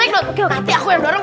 sekarang kamu naik di depan